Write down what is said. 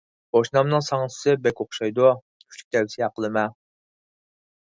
قوشنامنىڭ ساڭزىسى بەك ئوخشايدۇ، كۈچلۈك تەۋسىيە قىلىمەن.